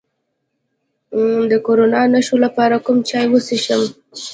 د کرونا د نښو لپاره کوم چای وڅښم؟